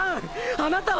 あなたは！！